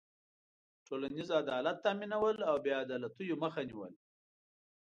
ټولنیز عدالت تأمینول او بېعدالتيو مخه نېول.